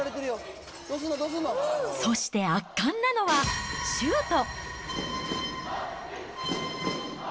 そして圧巻なのは、シュート。